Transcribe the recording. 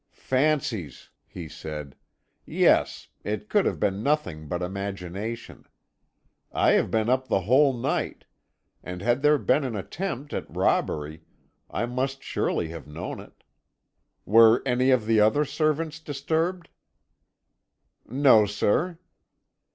"'Fancies!' he said; 'yes it could have been nothing but imagination. I have been up the whole night, and had there been an attempt at robbery, I must surely have known it. Were any of the other servants disturbed?" "'No, sir.'